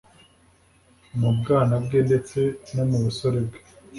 Mu bwana bwe ndetse no mu busore bwe,